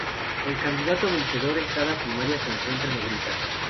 El candidato vencedor en cada primaria se encuentra en negrita.